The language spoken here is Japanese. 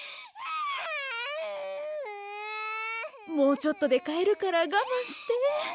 もうちょっとでかえるからがまんして。